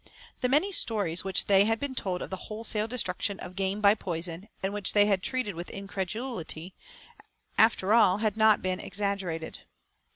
The many stories which they had been told of the wholesale destruction of game by poison, and which they had treated with incredulity, after all, had not been exaggerated.